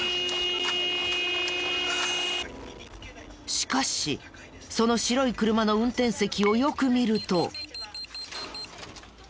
しかしその白い車の運転席をよく見ると。